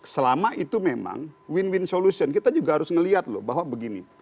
selama itu memang win win solution kita juga harus melihat loh bahwa begini